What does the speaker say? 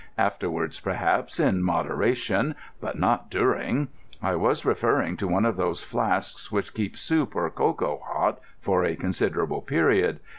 Afterwards, perhaps, in moderation, but not during. I was referring to one of those flasks which keep soup or cocoa hot for a considerable period.